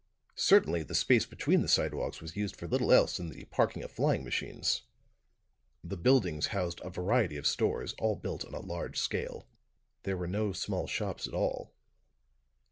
Certainly the space between the sidewalks was used for little else than the parking of flying machines. The buildings housed a variety of stores, all built on a large scale. There were no small shops at all.